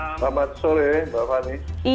selamat sore mbak fani